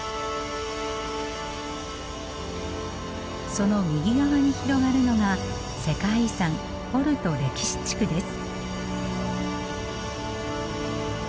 その右側に広がるのが世界遺産ポルト歴史地区です。